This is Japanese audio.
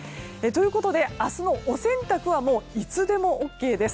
ということで明日のお洗濯はいつでもＯＫです。